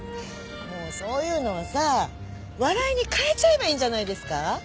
もうそういうのはさ笑いに変えちゃえばいいんじゃないですか？